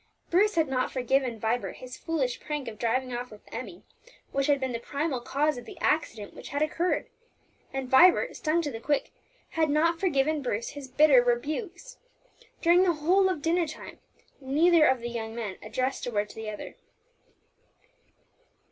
Bruce had not forgiven Vibert his foolish prank of driving off with Emmie, which had been the primal cause of the accident which had occurred; and Vibert, stung to the quick, had not forgiven Bruce his bitter rebukes. During the whole of dinner time neither of the young men addressed a word to the other.